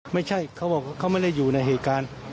เขาบอกเขาไม่ได้อยู่ในเหตุการณ์